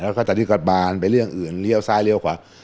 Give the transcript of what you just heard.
แล้วก็ตอนนี้ก็บานไปเรื่องอื่นเลี้ยวซ้ายเลี้ยวขวา